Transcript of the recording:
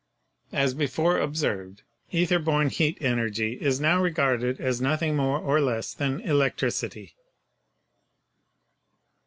As before observed, ether borne heat energy is now regarded as nothing more or less than electricity.